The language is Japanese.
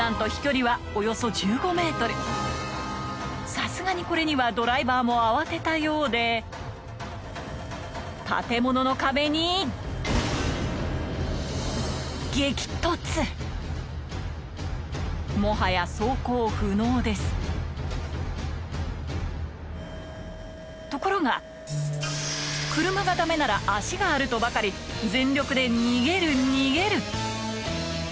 なんとさすがにこれにはドライバーも慌てたようで建物の壁にもはや走行不能ですところが車がダメなら足があるとばかり全力で逃げる逃げる！